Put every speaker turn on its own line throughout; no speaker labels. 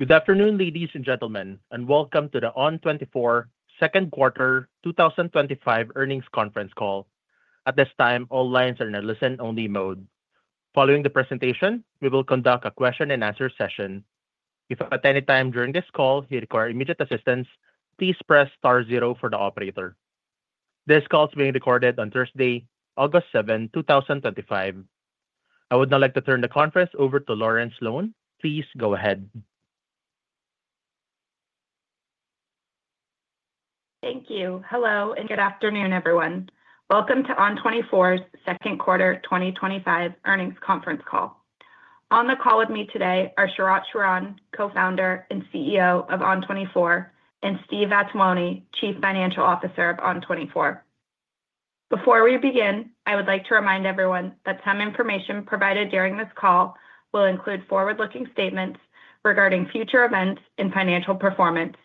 Good afternoon, ladies and gentlemen, and welcome to the ON24 Second Quarter 2025 Earnings Conference Call. At this time, all lines are in a listen-only mode. Following the presentation, we will conduct a question-and-answer session. If at any time during this call you require immediate assistance, please press *0 for the operator. This call is being recorded on Thursday, August 7, 2025. I would now like to turn the conference over to Lauren Sloane. Please go ahead.
Thank you. Hello and good afternoon, everyone. Welcome to ON24's Second Quarter 2025 Earnings Conference Call. On the call with me today are Sharat Sharan, Co-Founder and CEO of ON24, and Steve Vattuone, Chief Financial Officer of ON24. Before we begin, I would like to remind everyone that some information provided during this call will include forward-looking statements regarding future events and financial performance,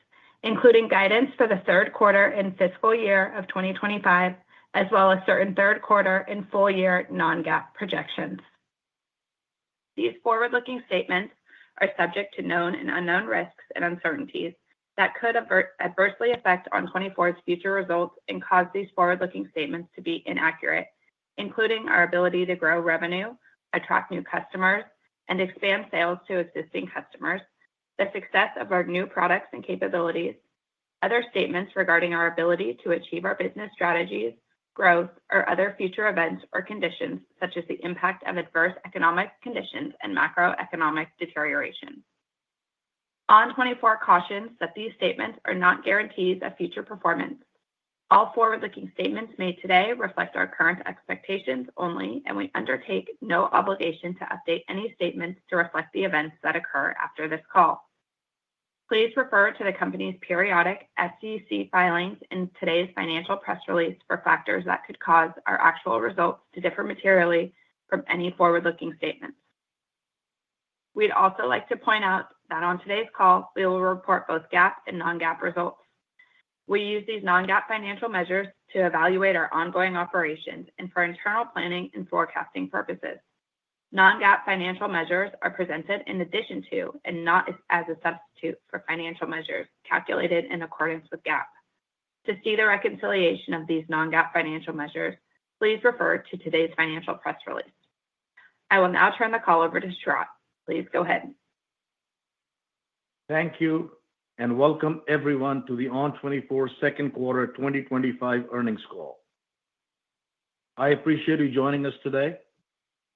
including guidance for the third quarter and fiscal year of 2025, as well as certain third-quarter and full-year non-GAAP projections. These forward-looking statements are subject to known and unknown risks and uncertainties that could adversely affect ON24's future results and cause these forward-looking statements to be inaccurate, including our ability to grow revenue, attract new customers, and expand sales to existing customers, the success of our new products and capabilities, other statements regarding our ability to achieve our business strategies, growth, or other future events or conditions, such as the impact of adverse economic conditions and macroeconomic deterioration. ON24 cautions that these statements are not guarantees of future performance. All forward-looking statements made today reflect our current expectations only, and we undertake no obligation to update any statements to reflect the events that occur after this call. Please refer to the company's periodic SEC filings and today's financial press release for factors that could cause our actual results to differ materially from any forward-looking statements. We'd also like to point out that on today's call, we will report both GAAP and non-GAAP results. We use these non-GAAP financial measures to evaluate our ongoing operations and for internal planning and forecasting purposes. Non-GAAP financial measures are presented in addition to and not as a substitute for financial measures calculated in accordance with GAAP. To see the reconciliation of these non-GAAP financial measures, please refer to today's financial press release. I will now turn the call over to Sharat. Please go ahead.
Thank you and welcome everyone to the ON24 Second Quarter 2025 Earnings Call. I appreciate you joining us today.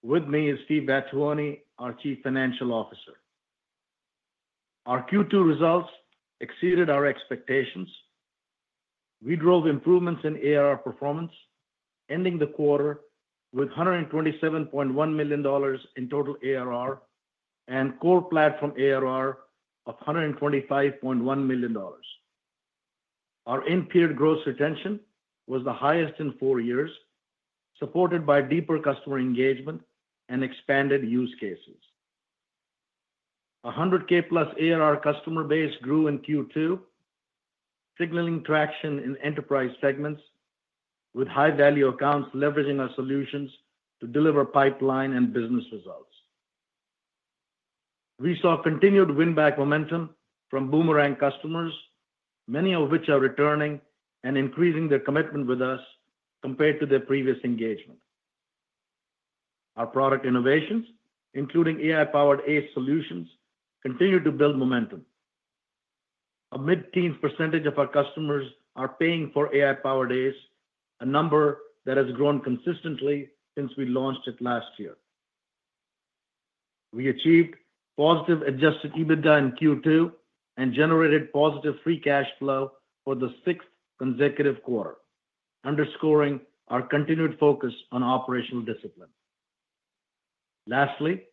With me is Steve Vattuone, our Chief Financial Officer. Our Q2 results exceeded our expectations. We drove improvements in ARR performance, ending the quarter with $127.1 million in total ARR and core platform ARR of $125.1 million. Our end-period gross retention was the highest in four years, supported by deeper customer engagement and expanded use cases. A 100,000+ ARR customer base grew in Q2, signaling traction in enterprise segments with high-value accounts leveraging our solutions to deliver pipeline and business results. We saw continued win-back momentum from Boomerang customers, many of which are returning and increasing their commitment with us compared to their previous engagement. Our product innovations, including AI-powered ACE solutions, continue to build momentum. A mid-teens percentage of our customers are paying for AI-powered ACE, a number that has grown consistently since we launched it last year. We achieved positive adjusted EBITDA in Q2 and generated positive free cash flow for the sixth consecutive quarter, underscoring our continued focus on operational discipline. Lastly,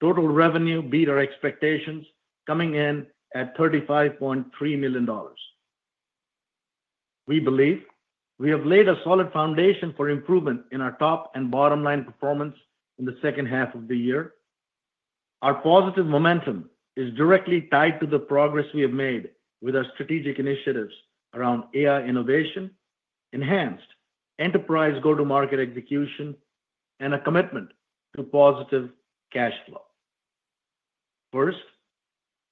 total revenue beat our expectations, coming in at $35.3 million. We believe we have laid a solid foundation for improvement in our top and bottom-line performance in the second half of the year. Our positive momentum is directly tied to the progress we have made with our strategic initiatives around AI innovation, enhanced enterprise go-to-market execution, and a commitment to positive cash flow. First,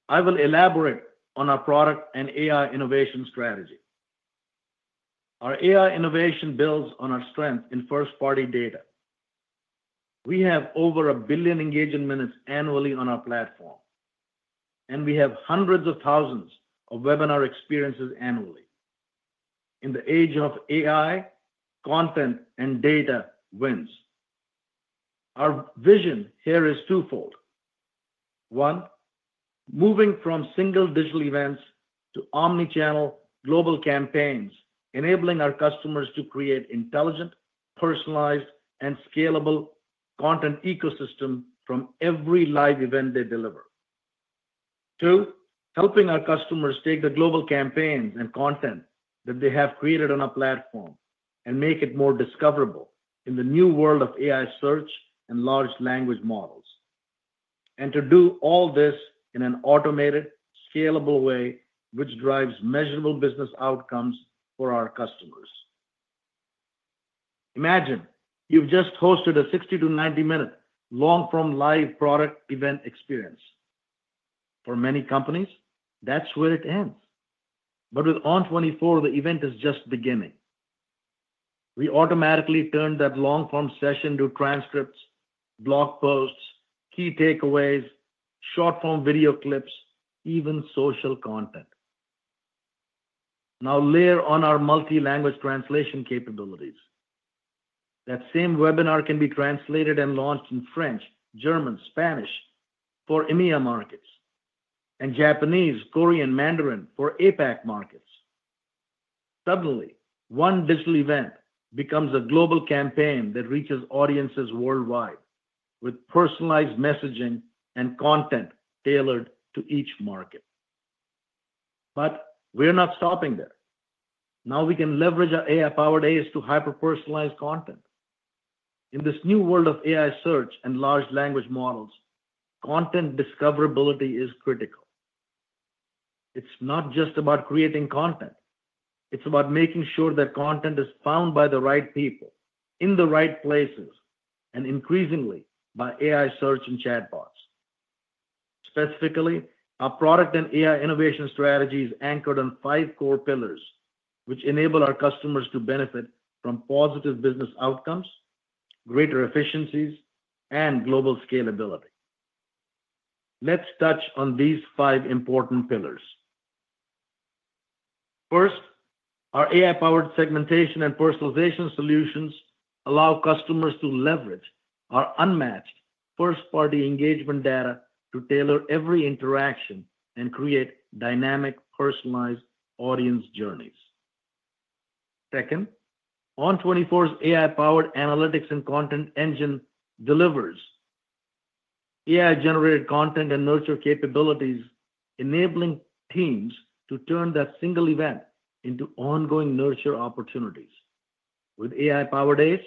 I will elaborate on our product and AI innovation strategy. Our AI innovation builds on our strength in first-party data. We have over a billion engagement minutes annually on our platform, and we have hundreds of thousands of webinar experiences annually. In the age of AI, content and data wins. Our vision here is twofold. One, moving from single digital events to omnichannel global campaigns, enabling our customers to create intelligent, personalized, and scalable content ecosystems from every live event they deliver. Two, helping our customers take the global campaigns and content that they have created on our platform and make it more discoverable in the new world of AI search and large language models. To do all this in an automated, scalable way, which drives measurable business outcomes for our customers. Imagine you've just hosted a 60 to 90-minute long-form live product event experience. For many companies, that's where it ends. With ON24, the event is just beginning. We automatically turn that long-form session to transcripts, blog posts, key takeaways, short-form video clips, even social content. Now, layer on our multi-language translation capabilities. That same webinar can be translated and launched in French, German, Spanish for EMEA markets, and Japanese, Korean, and Mandarin for APAC markets. Suddenly, one digital event becomes a global campaign that reaches audiences worldwide with personalized messaging and content tailored to each market. We're not stopping there. Now we can leverage our AI-powered ACE to hyper-personalize content. In this new world of AI search and large language models, content discoverability is critical. It's not just about creating content. It's about making sure that content is found by the right people, in the right places, and increasingly by AI search and chatbots. Specifically, our product and AI innovation strategy is anchored on five core pillars, which enable our customers to benefit from positive business outcomes, greater efficiencies, and global scalability. Let's touch on these five important pillars. First, our AI-powered segmentation and personalization solutions allow customers to leverage our unmatched first-party engagement data to tailor every interaction and create dynamic, personalized audience journeys. Second, ON24's AI-powered Analytics and Content Engine delivers AI-generated content and nurture capabilities, enabling teams to turn that single event into ongoing nurture opportunities. With AI-powered ACE,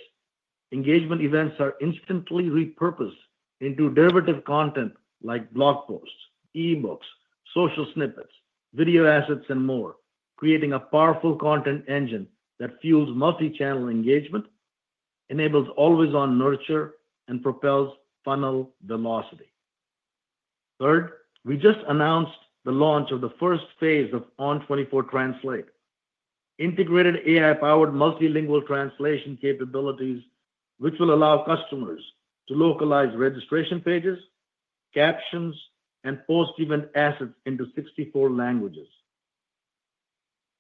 engagement events are instantly repurposed into derivative content like blog posts, e-books, social snippets, video assets, and more, creating a powerful content engine that fuels multi-channel engagement, enables always-on nurture, and propels funnel velocity. Third, we just announced the launch of the first phase of ON24 Translate, integrated AI-powered multilingual translation capabilities, which will allow customers to localize registration pages, captions, and post-event assets into 64 languages.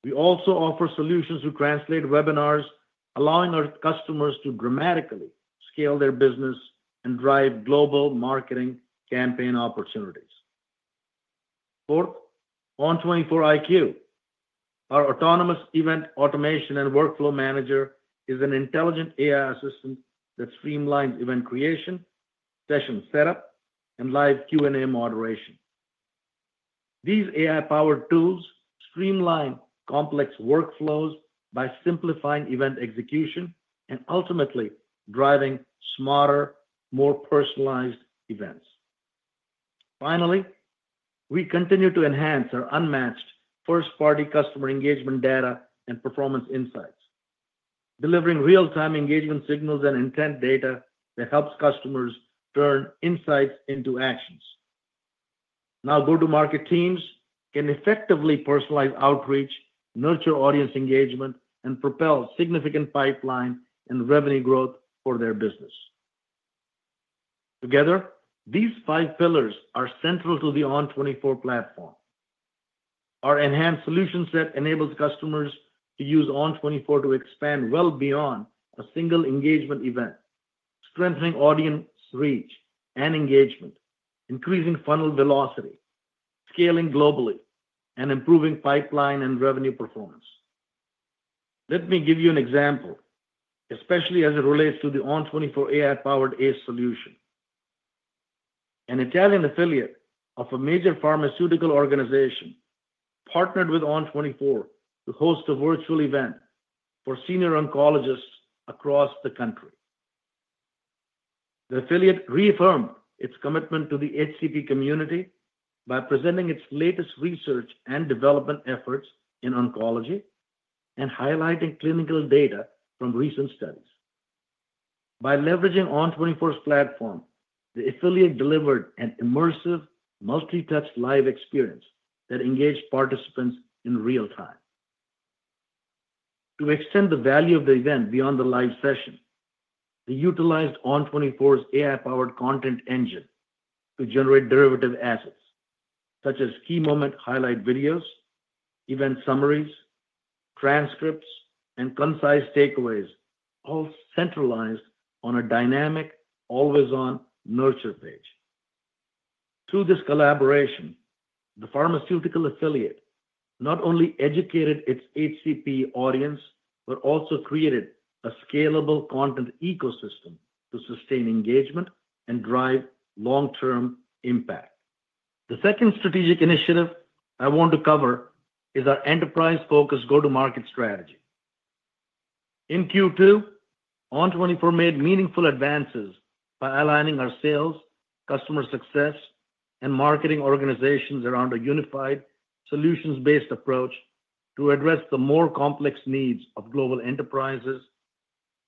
We also offer solutions to translate webinars, allowing our customers to dramatically scale their business and drive global marketing campaign opportunities. Fourth, ON24 IQ, our autonomous event automation and workflow manager, is an intelligent AI assistant that streamlines event creation, session setup, and live Q&A moderation. These AI-powered tools streamline complex workflows by simplifying event execution and ultimately driving smarter, more personalized events. Finally, we continue to enhance our unmatched first-party customer engagement data and performance insights, delivering real-time engagement signals and intent data that helps customers turn insights into actions. Now, go-to-market teams can effectively personalize outreach, nurture audience engagement, and propel significant pipeline and revenue growth for their business. Together, these five pillars are central to the ON24 platform. Our enhanced solution set enables customers to use ON24 to expand well beyond a single engagement event, strengthening audience reach and engagement, increasing funnel velocity, scaling globally, and improving pipeline and revenue performance. Let me give you an example, especially as it relates to the ON24 AI-powered ACE solution. An Italian affiliate of a major pharmaceutical organization partnered with ON24 to host a virtual event for senior oncologists across the country. The affiliate reaffirmed its commitment to the HCP community by presenting its latest research and development efforts in oncology and highlighting clinical data from recent studies. By leveraging ON24's platform, the affiliate delivered an immersive, multi-touch live experience that engaged participants in real time. To extend the value of the event beyond the live session, we utilized ON24's AI-powered content engine to generate derivative assets such as key moment highlight videos, event summaries, transcripts, and concise takeaways, all centralized on a dynamic, always-on nurture page. Through this collaboration, the pharmaceutical affiliate not only educated its HCP audience but also created a scalable content ecosystem to sustain engagement and drive long-term impact. The second strategic initiative I want to cover is our enterprise-focused go-to-market strategy. In Q2, ON24 made meaningful advances by aligning our sales, customer success, and marketing organizations around a unified solutions-based approach to address the more complex needs of global enterprises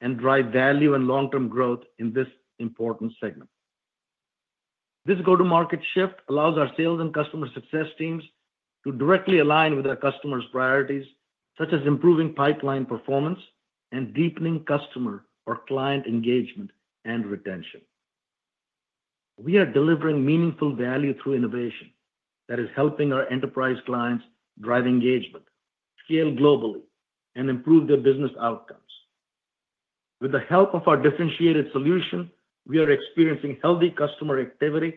and drive value and long-term growth in this important segment. This go-to-market shift allows our sales and customer success teams to directly align with our customers' priorities, such as improving pipeline performance and deepening customer or client engagement and retention. We are delivering meaningful value through innovation that is helping our enterprise clients drive engagement, scale globally, and improve their business outcomes. With the help of our differentiated solution, we are experiencing healthy customer activity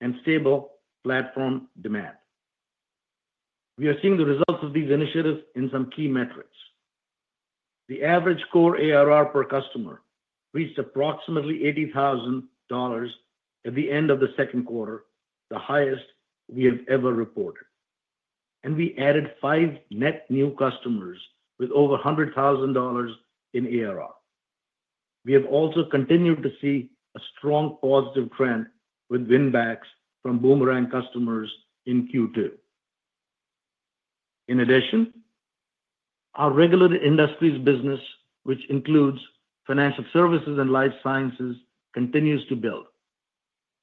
and stable platform demand. We are seeing the results of these initiatives in some key metrics. The average core ARR per customer reached approximately $80,000 at the end of the second quarter, the highest we had ever reported. We added five net new customers with over $100,000 in ARR. We have also continued to see a strong positive trend with win-backs from Boomerang customers in Q2. In addition, our regular industries business, which includes financial services and life sciences, continues to build,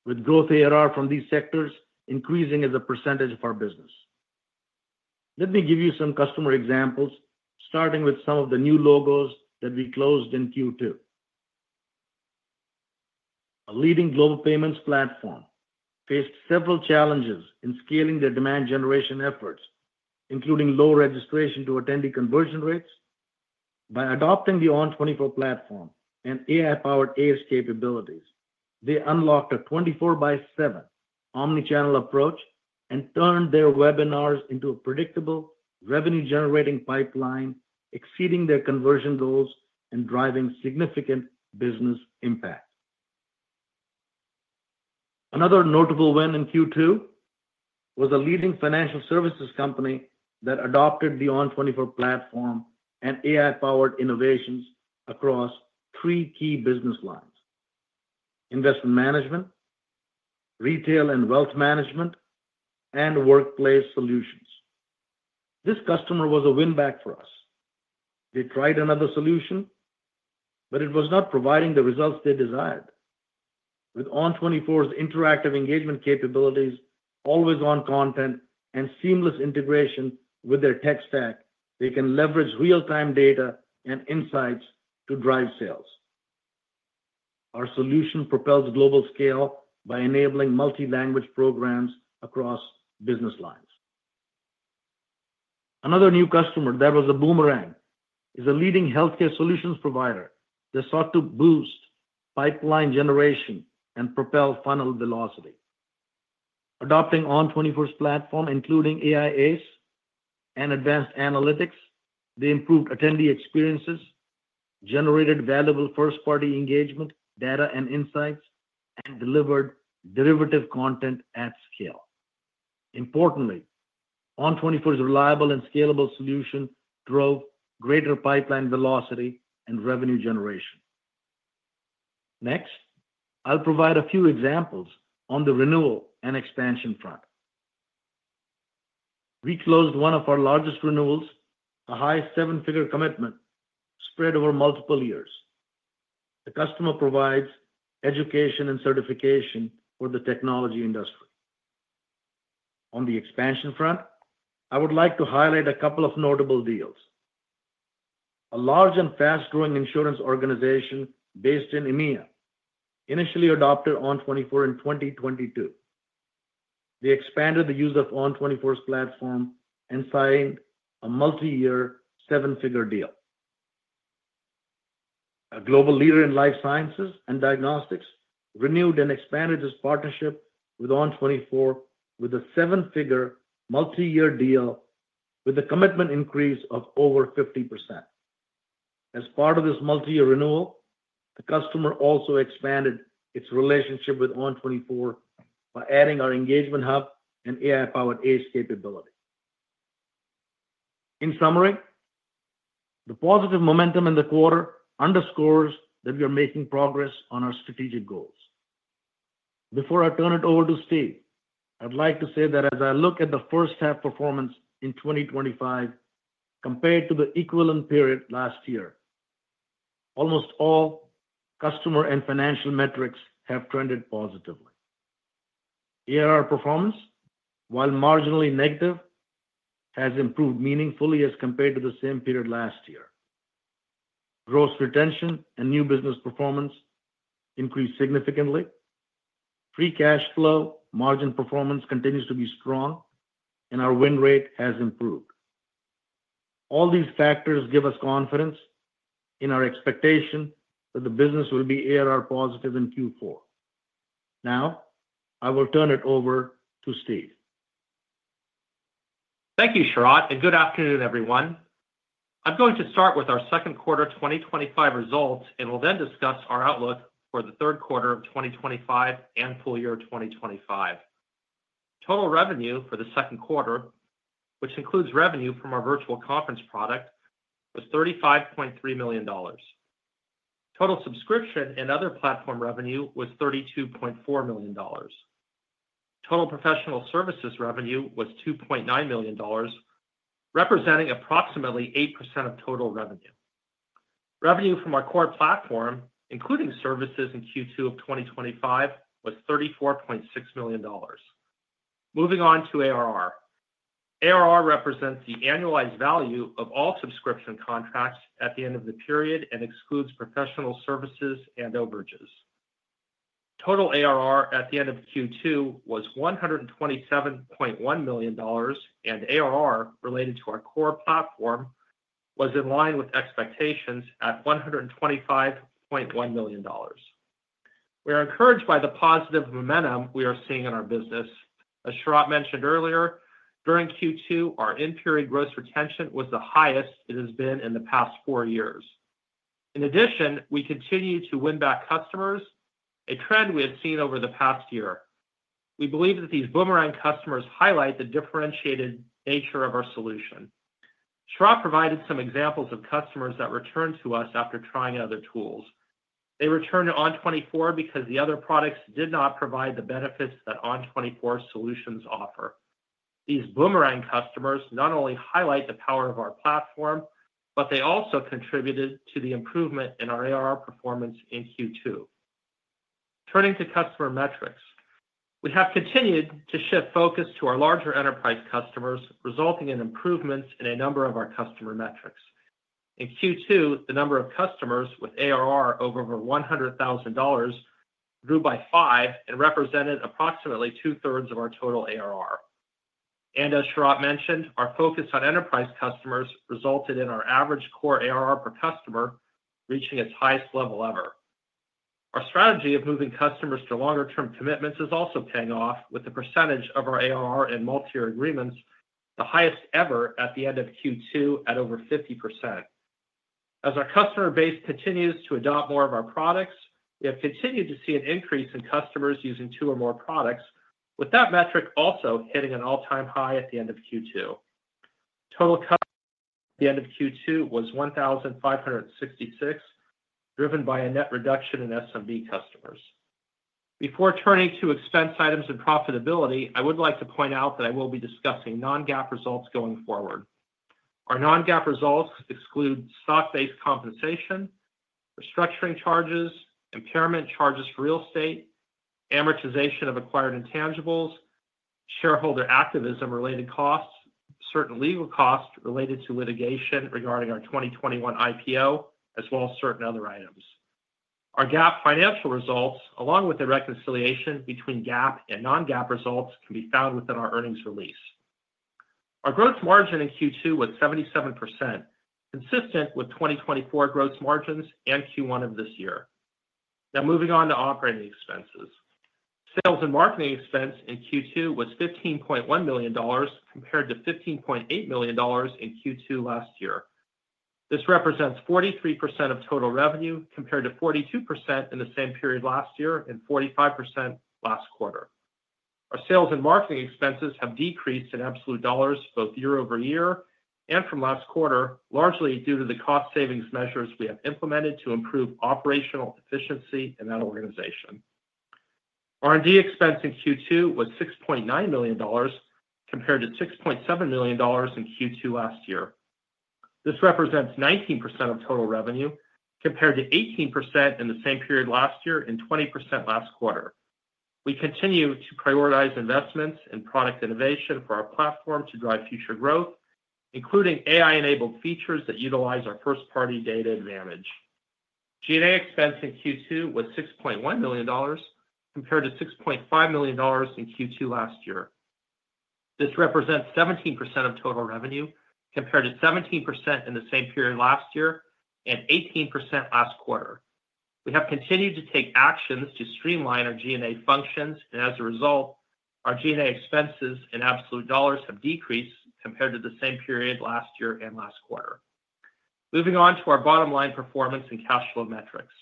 with growth ARR from these sectors increasing as a percentage of our business. Let me give you some customer examples, starting with some of the new logos that we closed in Q2. A leading global payments platform faced several challenges in scaling their demand generation efforts, including low registration-to-attendee conversion rates. By adopting the ON24 platform and AI-powered ACE capabilities, they unlocked a 24/7 omnichannel approach and turned their webinars into a predictable, revenue-generating pipeline, exceeding their conversion goals and driving significant business impact. Another notable win in Q2 was a leading financial services company that adopted the ON24 platform and AI-powered innovations across three key business lines: investment management, retail and wealth management, and workplace solutions. This customer was a win-back for us. They tried another solution, but it was not providing the results they desired. With ON24's interactive engagement capabilities, always-on content, and seamless integration with their tech stack, they can leverage real-time data and insights to drive sales. Our solution propels global scale by enabling multi-language programs across business lines. Another new customer that was a Boomerang is a leading healthcare solutions provider that sought to boost pipeline generation and propel funnel velocity. Adopting ON24's platform, including AI-ACE and advanced analytics, they improved attendee experiences, generated valuable first-party engagement data and insights, and delivered derivative content at scale. Importantly, ON24's reliable and scalable solution drove greater pipeline velocity and revenue generation. Next, I'll provide a few examples on the renewal and expansion front. We closed one of our largest renewals, a high seven-figure commitment spread over multiple years. The customer provides education and certification for the technology industry. On the expansion front, I would like to highlight a couple of notable deals. A large and fast-growing insurance organization based in EMEA initially adopted ON24 in 2022. They expanded the use of ON24's platform and signed a multi-year seven-figure deal. A global leader in life sciences and diagnostics renewed and expanded its partnership with ON24 with a seven-figure multi-year deal with a commitment increase of over 50%. As part of this multi-year renewal, the customer also expanded its relationship with ON24 by adding our engagement hub and AI-powered ACE capability. In summary, the positive momentum in the quarter underscores that we are making progress on our strategic goals. Before I turn it over to Steve, I'd like to say that as I look at the first half performance in 2025 compared to the equivalent period last year, almost all customer and financial metrics have trended positively. ARR performance, while marginally negative, has improved meaningfully as compared to the same period last year. Gross retention and new business performance increased significantly. Free cash flow margin performance continues to be strong, and our win rate has improved. All these factors give us confidence in our expectation that the business will be ARR positive in Q4. Now, I will turn it over to Steve.
Thank you, Sharat, and good afternoon, everyone. I'm going to start with our second quarter 2025 results and will then discuss our outlook for the third quarter of 2025 and full year 2025. Total revenue for the second quarter, which includes revenue from our virtual conference product, was $35.3 million. Total subscription and other platform revenue was $32.4 million. Total professional services revenue was $2.9 million, representing approximately 8% of total revenue. Revenue from our core platform, including services in Q2 of 2025, was $34.6 million. Moving on to ARR. ARR represents the annualized value of all subscription contracts at the end of the period and excludes professional services and overages. Total ARR at the end of Q2 was $127.1 million, and ARR related to our core platform was in line with expectations at $125.1 million. We are encouraged by the positive momentum we are seeing in our business. As Sharat mentioned earlier, during Q2, our end-period gross retention was the highest it has been in the past four years. In addition, we continue to win back customers, a trend we have seen over the past year. We believe that these Boomerang customers highlight the differentiated nature of our solution. Sharat provided some examples of customers that returned to us after trying other tools. They returned to ON24 because the other products did not provide the benefits that ON24's solutions offer. These Boomerang customers not only highlight the power of our platform, but they also contributed to the improvement in our ARR performance in Q2. Turning to customer metrics, we have continued to shift focus to our larger enterprise customers, resulting in improvements in a number of our customer metrics. In Q2, the number of customers with ARR of over $100,000 grew by five and represented approximately 2/3 of our total ARR. As Sharat mentioned, our focus on enterprise customers resulted in our average core ARR per customer reaching its highest level ever. Our strategy of moving customers to longer-term commitments is also paying off, with the percentage of our ARR in multi-year agreements the highest ever at the end of Q2 at over 50%. As our customer base continues to adopt more of our products, we have continued to see an increase in customers using two or more products, with that metric also hitting an all-time high at the end of Q2. Total customers at the end of Q2 was 1,566, driven by a net reduction in SMB customers. Before turning to expense items and profitability, I would like to point out that I will be discussing non-GAAP results going forward. Our non-GAAP results exclude stock-based compensation, restructuring charges, impairment charges for real estate, amortization of acquired intangibles, shareholder activism-related costs, certain legal costs related to litigation regarding our 2021 IPO, as well as certain other items. Our GAAP financial results, along with the reconciliation between GAAP and non-GAAP results, can be found within our earnings release. Our gross margin in Q2 was 77%, consistent with 2024 gross margins and Q1 of this year. Now, moving on to operating expenses. Sales and marketing expense in Q2 was $15.1 million compared to $15.8 million in Q2 last year. This represents 43% of total revenue compared to 42% in the same period last year and 45% last quarter. Our sales and marketing expenses have decreased in absolute dollars both year-over-year and from last quarter, largely due to the cost-savings measures we have implemented to improve operational efficiency in that organization. R&D expense in Q2 was $6.9 million compared to $6.7 million in Q2 last year. This represents 19% of total revenue compared to 18% in the same period last year and 20% last quarter. We continue to prioritize investments in product innovation for our platform to drive future growth, including AI-enabled features that utilize our first-party data advantage. G&A expense in Q2 was $6.1 million compared to $6.5 million in Q2 last year. This represents 17% of total revenue compared to 17% in the same period last year and 18% last quarter. We have continued to take actions to streamline our G&A functions, and as a result, our G&A expenses in absolute dollars have decreased compared to the same period last year and last quarter. Moving on to our bottom-line performance and cash flow metrics.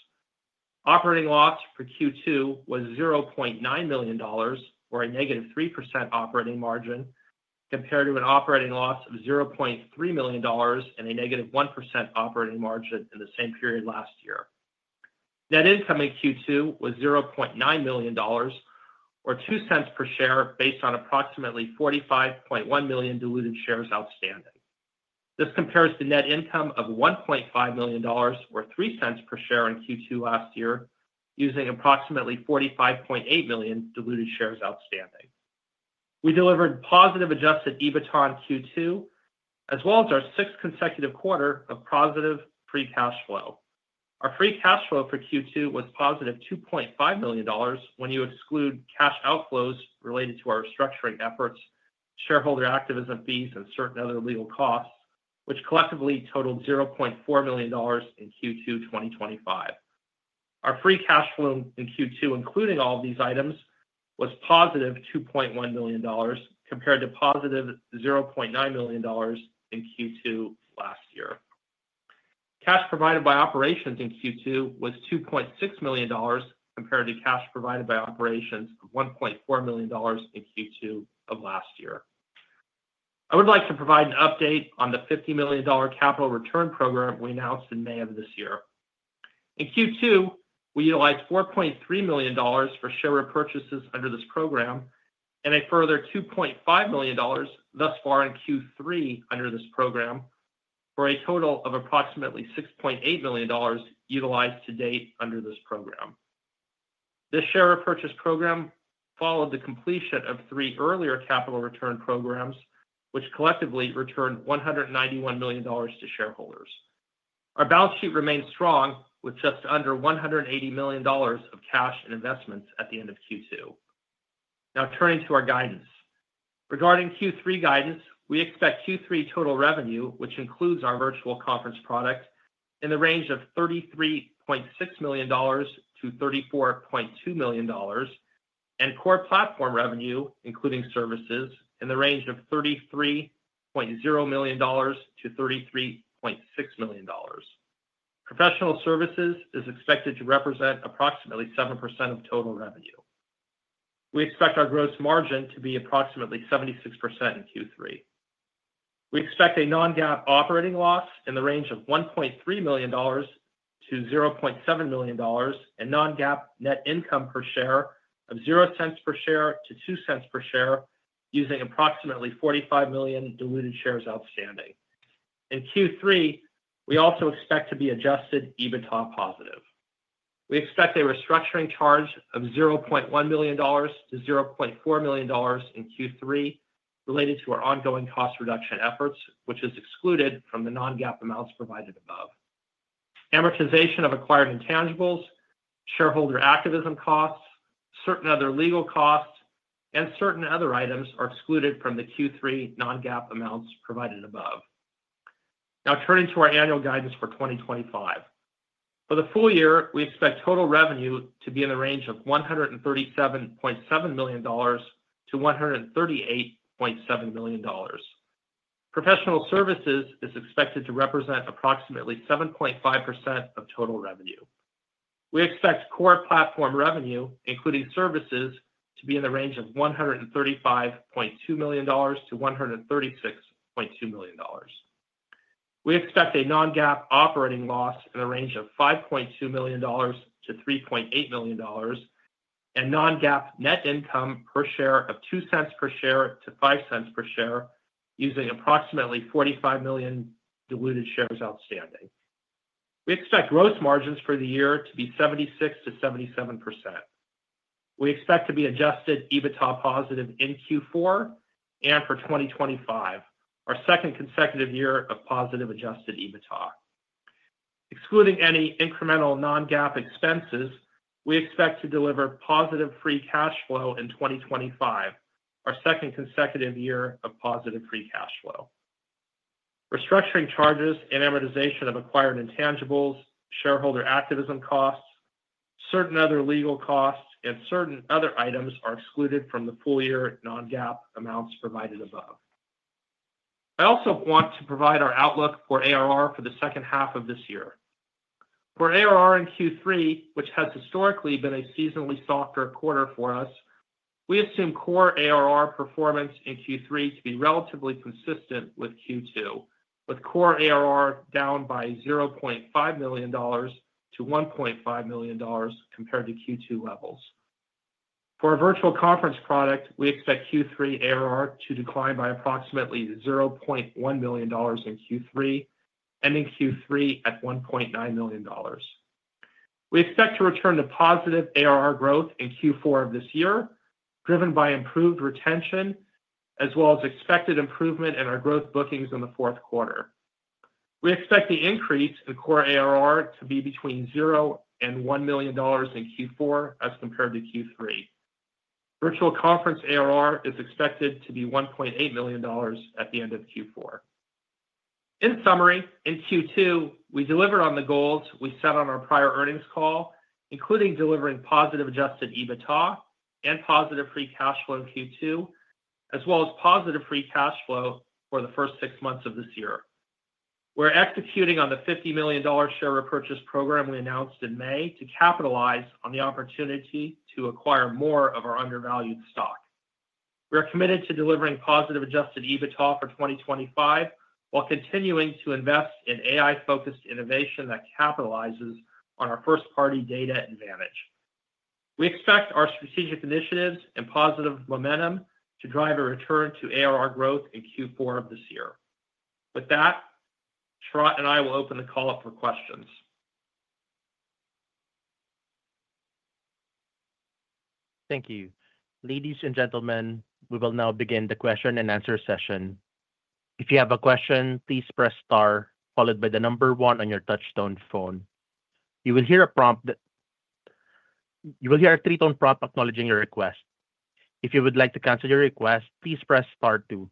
Operating loss for Q2 was $0.9 million, or a -3% operating margin, compared to an operating loss of $0.3 million and a -1% operating margin in the same period last year. Net income in Q2 was $0.9 million, or $0.02 per share based on approximately 45.1 million diluted shares outstanding. This compares to net income of $1.5 million, or $0.03 per share in Q2 last year, using approximately 45.8 million diluted shares outstanding. We delivered positive adjusted EBITDA in Q2, as well as our sixth consecutive quarter of positive free cash flow. Our free cash flow for Q2 was positive $2.5 million when you exclude cash outflows related to our restructuring efforts, shareholder activism fees, and certain other legal costs, which collectively totaled $0.4 million in Q2 2025. Our free cash flow in Q2, including all of these items, was positive $2.1 million compared to positive $0.9 million in Q2 last year. Cash provided by operations in Q2 was $2.6 million compared to cash provided by operations of $1.4 million in Q2 of last year. I would like to provide an update on the $50 million capital return program we announced in May of this year. In Q2, we utilized $4.3 million for share repurchases under this program and a further $2.5 million thus far in Q3 under this program, for a total of approximately $6.8 million utilized to date under this program. This share repurchase program followed the completion of three earlier capital return programs, which collectively returned $191 million to shareholders. Our balance sheet remains strong, with just under $180 million of cash and investments at the end of Q2. Now, turning to our guidance. Regarding Q3 guidance, we expect Q3 total revenue, which includes our virtual conference product, in the range of $33.6 million-$34.2 million, and core platform revenue, including services, in the range of $33.0 million-$33.6 million. Professional services is expected to represent approximately 7% of total revenue. We expect our gross margin to be approximately 76% in Q3. We expect a non-GAAP operating loss in the range of $1.3 million to $0.7 million and non-GAAP net income per share of $0.02 per share to $0.02 per share, using approximately 45 million diluted shares outstanding. In Q3, we also expect to be adjusted EBITDA positive. We expect a restructuring charge of $0.1 million to $0.4 million in Q3 related to our ongoing cost reduction efforts, which is excluded from the non-GAAP amounts provided above. Amortization of acquired intangibles, shareholder activism costs, certain other legal costs, and certain other items are excluded from the Q3 non-GAAP amounts provided above. Now, turning to our annual guidance for 2025. For the full year, we expect total revenue to be in the range of $137.7 million-$138.7 million. Professional services is expected to represent approximately 7.5% of total revenue. We expect core platform revenue, including services, to be in the range of $135.2 million-$136.2 million. We expect a non-GAAP operating loss in the range of $5.2 million to $3.8 million and non-GAAP net income per share of $0.02 per share to $0.05 per share, using approximately 45 million diluted shares outstanding. We expect gross margins for the year to be 76%-77%. We expect to be adjusted EBITDA positive in Q4 and for 2025, our second consecutive year of positive adjusted EBITDA. Excluding any incremental non-GAAP expenses, we expect to deliver positive free cash flow in 2025, our second consecutive year of positive free cash flow. Restructuring charges and amortization of acquired intangibles, shareholder activism costs, certain other legal costs, and certain other items are excluded from the full year non-GAAP amounts provided above. I also want to provide our outlook for ARR for the second half of this year. For ARR in Q3, which has historically been a seasonally softer quarter for us, we assume core ARR performance in Q3 to be relatively consistent with Q2, with core ARR down by $0.5 million to $1.5 million compared to Q2 levels. For our virtual conference product, we expect Q3 ARR to decline by approximately $0.1 million in Q3, ending Q3 at $1.9 million. We expect to return to positive ARR growth in Q4 of this year, driven by improved retention, as well as expected improvement in our growth bookings in the fourth quarter. We expect the increase in core ARR to be between $0 and $1 million in Q4 as compared to Q3. Virtual conference ARR is expected to be $1.8 million at the end of Q4. In summary, in Q2, we delivered on the goals we set on our prior earnings call, including delivering positive adjusted EBITDA and positive free cash flow in Q2, as well as positive free cash flow for the first six months of this year. We're executing on the $50 million share repurchase program we announced in May to capitalize on the opportunity to acquire more of our undervalued stock. We are committed to delivering positive adjusted EBITDA for 2025 while continuing to invest in AI-focused innovation that capitalizes on our first-party data advantage. We expect our strategic initiatives and positive momentum to drive a return to ARR growth in Q4 of this year. With that, Sharat and I will open the call up for questions.
Thank you. Ladies and gentlemen, we will now begin the question-and-answer session. If you have a question, please press star followed by the number one on your touch-tone phone. You will hear a three-tone prompt acknowledging your request. If you would like to cancel your request, please press star two.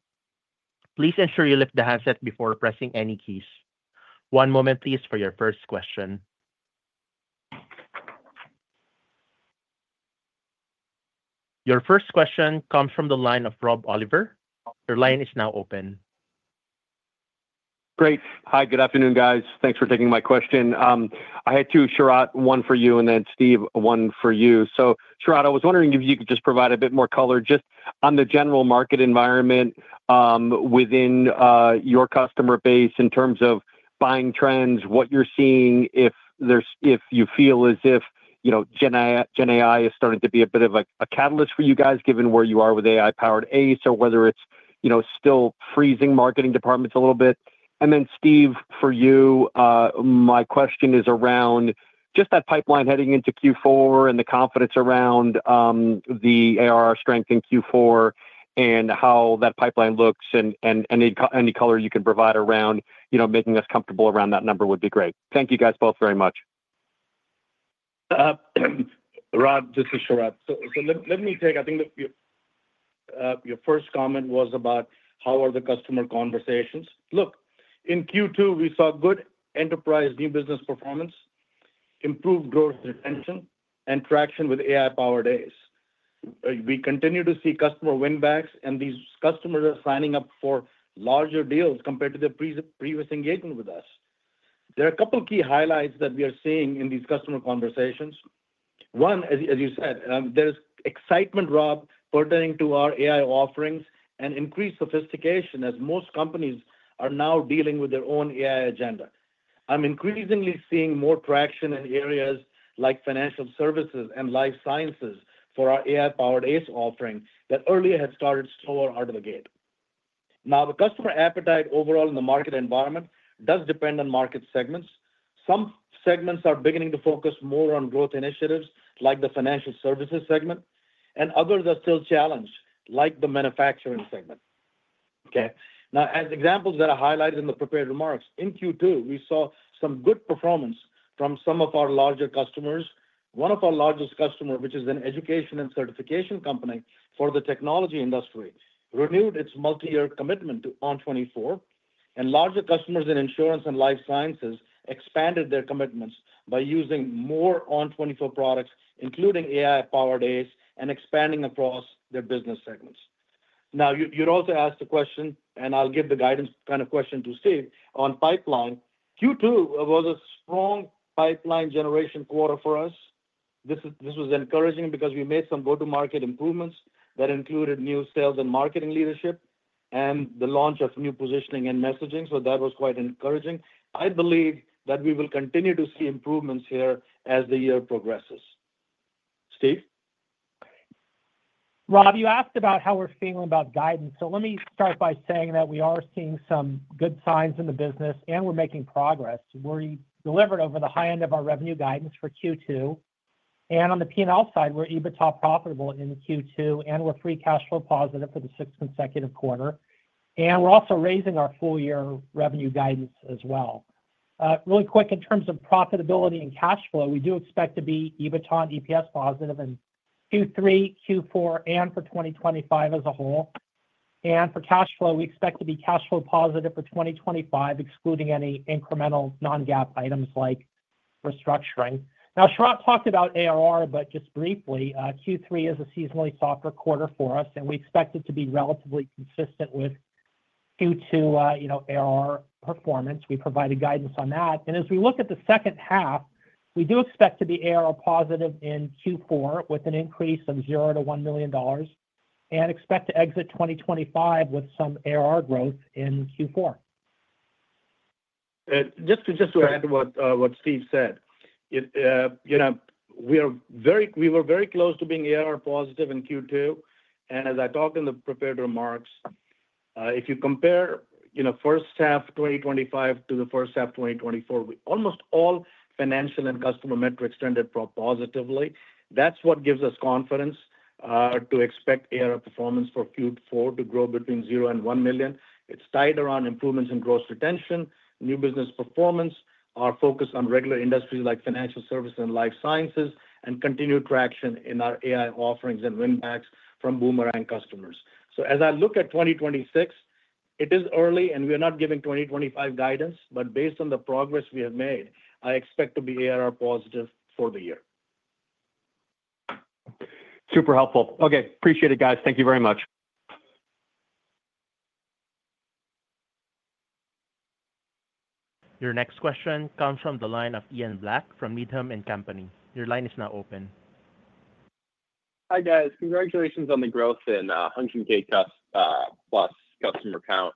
Please ensure you lift the headset before pressing any keys. One moment, please, for your first question. Your first question comes from the line of Rob Oliver. Your line is now open.
Great. Hi, good afternoon, guys. Thanks for taking my question. I had two, Sharat, one for you, and then Steve, one for you. Sharat, I was wondering if you could just provide a bit more color just on the general market environment within your customer base in terms of buying trends, what you're seeing, if you feel as if GenAI is starting to be a bit of a catalyst for you guys given where you are with AI-powered ACE or whether it's still freezing marketing departments a little bit. Steve, for you, my question is around just that pipeline heading into Q4 and the confidence around the ARR strength in Q4 and how that pipeline looks and any color you can provide around making us comfortable around that number would be great. Thank you guys both very much.
Rob, this is Sharat. Let me take, I think your first comment was about how are the customer conversations. Look, in Q2, we saw good enterprise new business performance, improved growth retention, and traction with AI-powered ACE. We continue to see customer win-backs, and these customers are signing up for larger deals compared to their previous engagement with us. There are a couple of key highlights that we are seeing in these customer conversations. One, as you said, there's excitement, Rob, pertaining to our AI offerings and increased sophistication as most companies are now dealing with their own AI agenda. I'm increasingly seeing more traction in areas like financial services and life sciences for our AI-powered ACE offering that earlier had started slower out of the gate. The customer appetite overall in the market environment does depend on market segments. Some segments are beginning to focus more on growth initiatives like the financial services segment, and others are still challenged like the manufacturing segment. As examples that are highlighted in the prepared remarks, in Q2, we saw some good performance from some of our larger customers. One of our largest customers, which is an education and certification company for the technology industry, renewed its multi-year commitment to ON24, and larger customers in insurance and life sciences expanded their commitments by using more ON24 products, including AI-powered ACE, and expanding across their business segments. You'd also asked a question, and I'll give the guidance kind of question to Steve, on pipeline. Q2 was a strong pipeline generation quarter for us. This was encouraging because we made some go-to-market improvements that included new sales and marketing leadership and the launch of new positioning and messaging. That was quite encouraging. I believe that we will continue to see improvements here as the year progresses. Steve?
Rob, you asked about how we're feeling about guidance. Let me start by saying that we are seeing some good signs in the business, and we're making progress. We delivered over the high end of our revenue guidance for Q2. On the P&L side, we're EBITDA profitable in Q2, and we're free cash flow positive for the sixth consecutive quarter. We're also raising our full-year revenue guidance as well. Really quick, in terms of profitability and cash flow, we do expect to be EBITDA and EPS positive in Q3, Q4, and for 2025 as a whole. For cash flow, we expect to be cash flow positive for 2025, excluding any incremental non-GAAP items like restructuring. Sharat talked about ARR, but just briefly, Q3 is a seasonally softer quarter for us, and we expect it to be relatively consistent with Q2 ARR performance. We provided guidance on that. As we look at the second half, we do expect to be ARR positive in Q4 with an increase of $0 to $1 million and expect to exit 2025 with some ARR growth in Q4.
Just to add to what Steve said, you know, we were very close to being ARR positive in Q2. As I talked in the prepared remarks, if you compare the first half 2025 to the first half 2024, almost all financial and customer metrics trended positively. That's what gives us confidence to expect ARR performance for Q4 to grow between $0 and $1 million. It's tied around improvements in gross retention, new business performance, our focus on regular industries like financial services and life sciences, and continued traction in our AI offerings and win-backs from Boomerang customers. As I look at 2026, it is early and we are not giving 2025 guidance, but based on the progress we have made, I expect to be ARR positive for the year.
Super helpful. Okay, appreciate it, guys. Thank you very much.
Your next question comes from the line of Ian Black from Needham & Company. Your line is now open.
Hi, guys. Congratulations on the growth in 100,000+ customer count.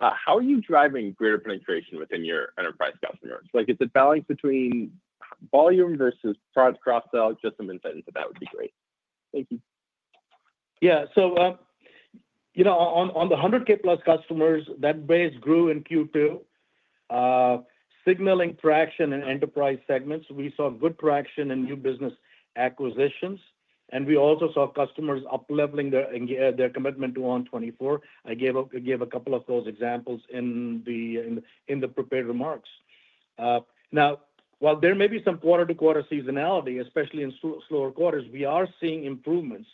How are you driving greater penetration within your enterprise customers? It's a balance between volume versus cross-sell. Just some insight into that would be great. Thank you.
Yeah, on the 100,000+ customers, that base grew in Q2, signaling traction in enterprise segments. We saw good traction in new business acquisitions, and we also saw customers up-leveling their commitment to ON24. I gave a couple of those examples in the prepared remarks. While there may be some quarter-to-quarter seasonality, especially in slower quarters, we are seeing improvements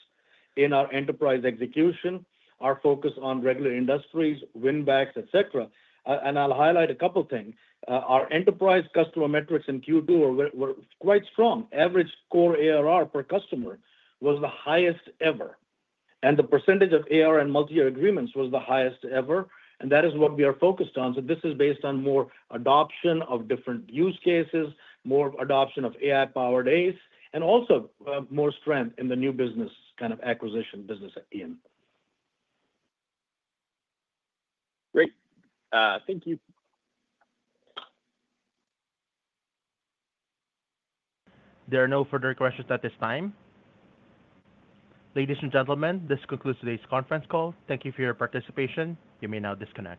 in our enterprise execution, our focus on regular industries, win-backs, etc. I'll highlight a couple of things. Our enterprise customer metrics in Q2 were quite strong. Average core ARR per customer was the highest ever, and the percentage of ARR and multi-year agreements was the highest ever. That is what we are focused on. This is based on more adoption of different use cases, more adoption of AI-powered ACE, and also more strength in the new business kind of acquisition business at the end.
Great. Thank you.
There are no further questions at this time. Ladies and gentlemen, this concludes today's conference call. Thank you for your participation. You may now disconnect.